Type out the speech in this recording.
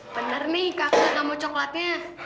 bener nih kakek kamu coklatnya